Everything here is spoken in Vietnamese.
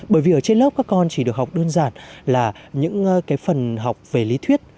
bởi vì ở trên lớp các con chỉ được học đơn giản là những cái phần học về lý thuyết